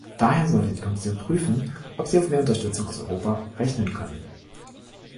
Daher sollte die Kommission prüfen, ob sie auf mehr Unterstützung aus Europa rechnen können.